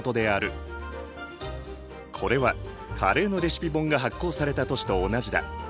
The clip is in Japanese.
これはカレーのレシピ本が発行された年と同じだ。